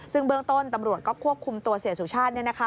ซึ่งเบื้องต้นตำรวจก็ควบคุมตัวเสียสุชาติ